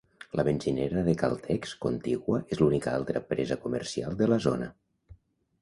La benzinera de Caltex contigua és l'única altra presa comercial de la zona.